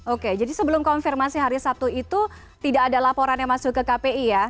oke jadi sebelum konfirmasi hari sabtu itu tidak ada laporan yang masuk ke kpi ya